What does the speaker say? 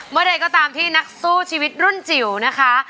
เมื่อใดก็ตามที่นักสู้ชีวิตรุ่นจิ๋วนะคะ